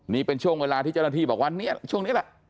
นี่เป็นช่วงเวลาที่เจ้าหน้าที่บอกว่าเนี่ยช่วงนี้แหละ